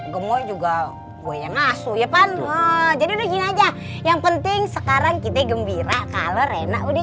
gemo juga gue masuk ya pan wah jadi udah gini aja yang penting sekarang kita gembira kalau enak udah